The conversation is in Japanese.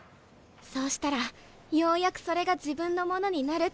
そうしたらようやくそれが自分のものになる」って。